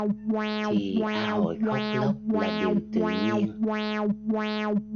Thì a hội khóc lóc là điều tự nhiên